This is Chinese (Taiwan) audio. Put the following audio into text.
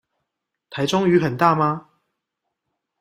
臺中雨很大嗎？